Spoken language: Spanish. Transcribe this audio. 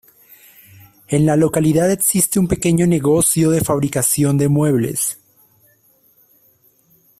En la localidad existe un pequeño negocio de fabricación de muebles.